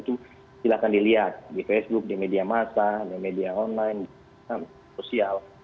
itu silahkan dilihat di facebook di media masa di media online di sosial